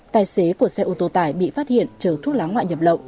tài xế của xe ô tô tải bị phát hiện trở thuốc lá ngoại nhập lậu